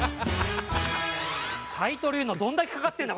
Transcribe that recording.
タイトル言うのにどんだけかかってんだ